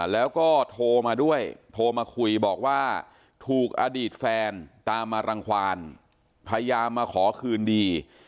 แล้วก็โทรมาด้วยโทรมาคุยบอกว่าถูกอดีตแฟนตามมารังความพยายามมาขอคืนดี